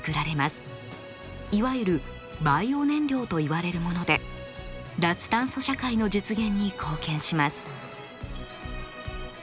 いわゆる「バイオ燃料」と言われるもので脱炭素社会の実現に貢献します。